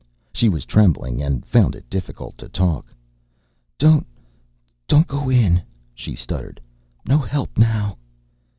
She was trembling and found it difficult to talk. "Don't don't go in," she stuttered. "No help now."